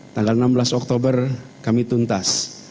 tanggal enam belas oktober kami tuntas